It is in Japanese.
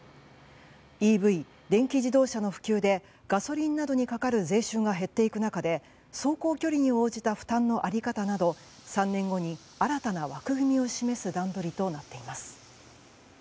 ＥＶ・電気自動車の普及でガソリンなどにかかる税収が減っていく中で走行距離に応じた負担の在り方など３年後に新たな枠組みを示す段取りとなっています。